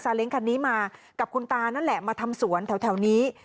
เล้งคันนี้มากับคุณตานั่นแหละมาทำสวนแถวนี้